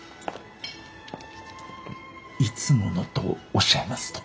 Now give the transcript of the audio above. いつものとおっしゃいますと？